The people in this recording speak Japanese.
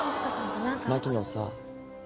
「牧野さぁ」